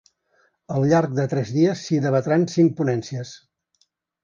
Al llarg de tres dies s’hi debatran cinc ponències.